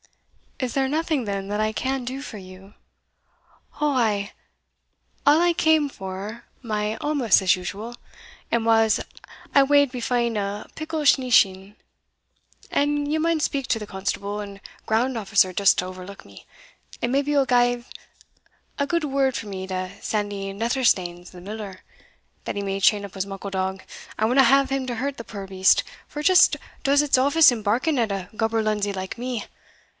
"Is there nothing, then, that I can do for you?" "Ou ay I'll aye come for my awmous as usual, and whiles I wad be fain o' a pickle sneeshin, and ye maun speak to the constable and ground officer just to owerlook me; and maybe ye'll gie a gude word for me to Sandie Netherstanes, the miller, that he may chain up his muckle dog I wadna hae him to hurt the puir beast, for it just does its office in barking at a gaberlunzie like me.